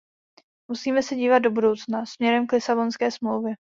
Musíme se dívat do budoucna, směrem k Lisabonské smlouvě.